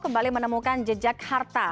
kembali menemukan jejak harta